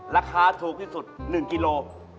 ราคาถูกที่สุด๑กิโล